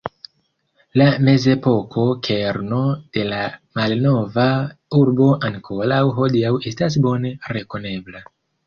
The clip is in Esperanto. La mezepoko kerno de la malnova urbo ankoraŭ hodiaŭ estas bone rekonebla.